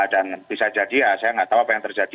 dan bisa jadi ya saya nggak tahu apa yang terjadi